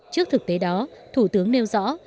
trước thực tế đó thủ tướng nêu rõ